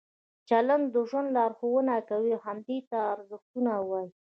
چلند د ژوند لارښوونه کوي او همدې ته ارزښتونه وایي.